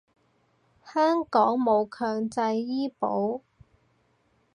香港冇強制醫保